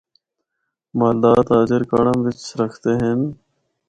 مالدار تاجر کڑاں بچ رکھدے ہن۔